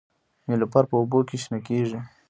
نیلوفر په اوبو کې شنه کیږي